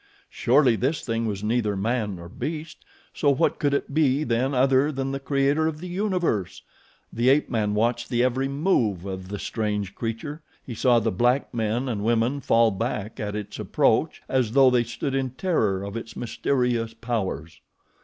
Surely this thing was neither man nor beast, so what could it be then other than the Creator of the Universe! The ape man watched the every move of the strange creature. He saw the black men and women fall back at its approach as though they stood in terror of its mysterious powers.